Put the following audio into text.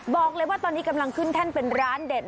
บอกเลยว่าตอนนี้กำลังขึ้นแท่นเป็นร้านเด็ด